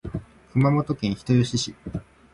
熊本県人吉市